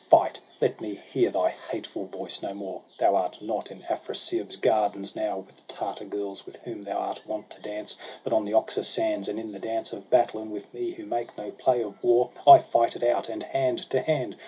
Fight, let me hear thy hateful voice no more ! Thou art not in Afrasiab's gardens now With Tartar girls, with whom thou art wont to dance ; But on the Oxus sands, and in the dance Of battle, and with me, who make no play Of war; I fight it out, and hand to hand.